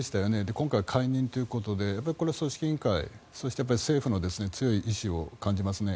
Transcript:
今回は解任ということでこれは組織委員会政府の強い意志を感じますね。